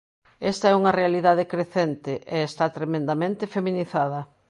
Esta é unha realidade crecente, e está tremendamente feminizada.